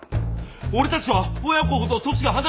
俺たちは親子ほど年が離れてる。